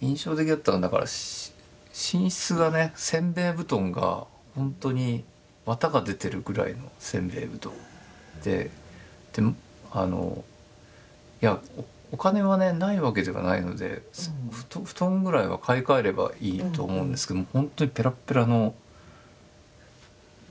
印象的だったのだから寝室がね煎餅布団がほんとに綿が出てるぐらいの煎餅布団であのいやお金はねないわけではないので布団ぐらいは買い替えればいいと思うんですけどもほんとにぺらぺらの。